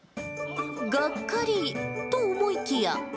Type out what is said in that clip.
がっかり、と思いきや。